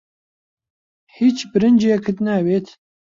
هیچ برنجێکت ناوێت؟